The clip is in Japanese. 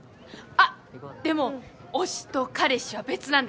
あっでも推しと彼氏は別なんで。